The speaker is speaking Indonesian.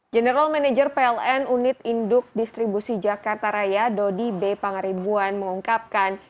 general manager pln unit induk distribusi jakarta raya dodi b pangaribuan mengungkapkan